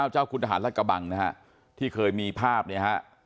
เจ้าคุณทหารรัฐกะบังนะฮะที่เคยมีภาพเนี่ยฮะ